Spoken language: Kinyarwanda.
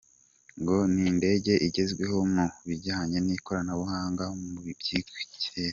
Ngo ni indege igezweho mu bijyanye n’ikoranabuhanga mu by’ikirere.